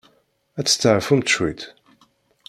Ad testeɛfumt cwit?